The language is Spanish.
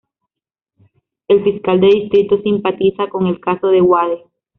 El fiscal de distrito simpatiza con el caso de Wade.